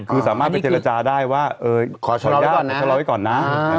คือสามารถไปเจรจาได้ว่าขอเฉลาให้ก่อนนะ